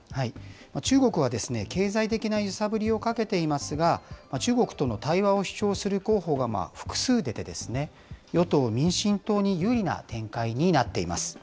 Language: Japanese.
中国は経済的な揺さぶりをかけていますが、中国との対話を主張する候補が複数出て、与党・民進党に有利な展開になっています。